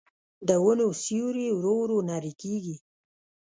د ونو سیوري ورو ورو نری کېږي